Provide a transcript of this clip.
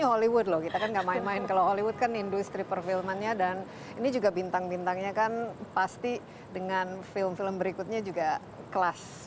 hollywood loh kita kan gak main main kalau hollywood kan industri perfilmannya dan ini juga bintang bintangnya kan pasti dengan film film berikutnya juga kelas